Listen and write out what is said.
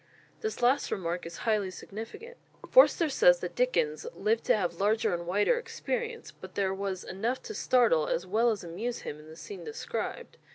This last remark is highly significant. Forster says that Dickens "lived to have larger and wider experience, but there was enough to startle as well as amuse him in the scene described."